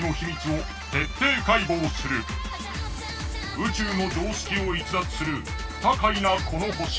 宇宙の常識を逸脱する不可解なこの星。